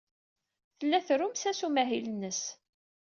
Tella terrumsa s umahil-nnes.